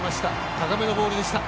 高めのボールでした。